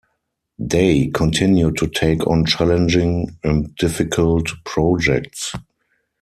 Day continued to take on challenging and difficult projects.